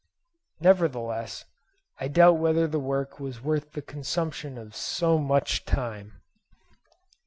Nevertheless, I doubt whether the work was worth the consumption of so much time.